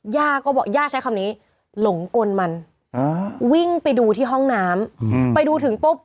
ย่าก็บอกย่าใช้คำนี้หลงกลมันวิ่งไปดูที่ห้องน้ำไปดูถึงปุ๊บ